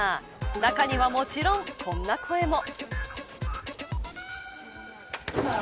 中にはもちろん、こんな声も。